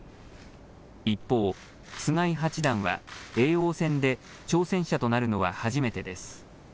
一方、菅井八段は叡王戦で挑戦者となるのは初めてです。